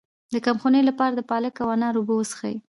د کمخونۍ لپاره د پالک او انار اوبه وڅښئ